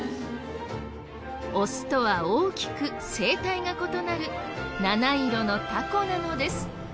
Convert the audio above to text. オスとは大きく生態が異なる７色のタコなのです。